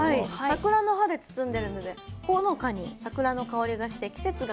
桜の葉で包んでるのでほのかに桜の香りがして季節が感じられるチーズです。